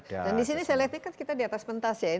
dan di sini saya lihat di atas pentas ya